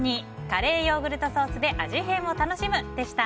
カレーヨーグルトソースで味変を楽しむ！でした。